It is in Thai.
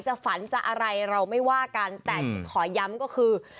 ฝันจะอะไรเราไม่ว่ากันแต่ที่ขอย้ำก็คือ